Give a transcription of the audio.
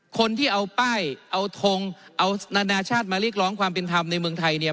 คนที่เอาป้ายเอาทงเอานานาชาติมาเรียกร้องความเป็นธรรมในเมืองไทยเนี่ย